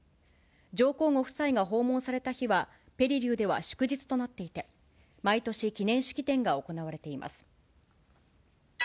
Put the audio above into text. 上皇ご夫妻が訪問された日はペリリューでは祝日となっていて、毎年、記念式典が行われています。